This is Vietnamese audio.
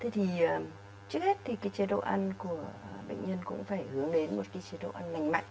trước hết chế độ ăn của bệnh nhân cũng phải hướng đến một chế độ ăn mạnh mạnh